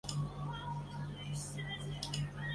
齐燮元任该委员会委员兼治安总署督办。